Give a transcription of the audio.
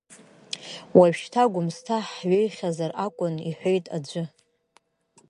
Уажәшьҭа Гәымсҭа ҳҩеихьазар акәын, — иҳәеит аӡәы.